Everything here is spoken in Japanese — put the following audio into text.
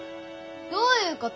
どういうこと？